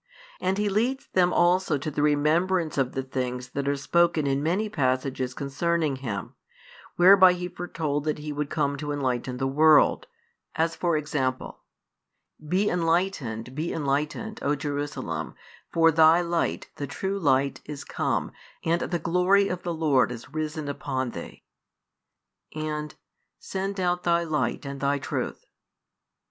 And He leads them also to the remembrance of the things that are spoken in many passages concerning Him, whereby He foretold that He would come to enlighten the world; as for example; Be enlightened, be enlightened, O Jerusalem, for thy Light, the True Light, is come, and the glory of the Lord is risen upon thee; and: Send out Thy Light and Thy Truth.